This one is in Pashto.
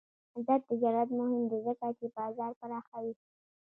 آزاد تجارت مهم دی ځکه چې بازار پراخوي.